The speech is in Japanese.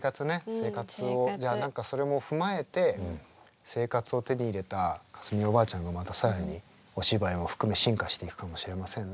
生活をじゃあ何かそれも踏まえて生活を手に入れた架純おばあちゃんがまた更にお芝居を含め進化していくかもしれませんね。